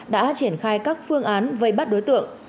đã triển khai các phương án vây bắt đối tượng